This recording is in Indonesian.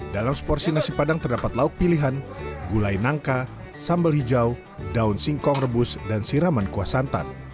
dalam seporsi nasi padang terdapat lauk pilihan gulai nangka sambal hijau daun singkong rebus dan siraman kuah santan